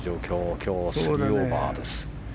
今日、３オーバーです。